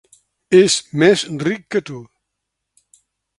És més ric que tu.